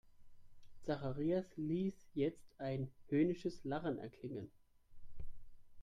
Zacharias ließ jetzt ein höhnisches Lachen erklingen.